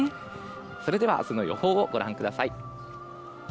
それでは明日の予報をご覧ください。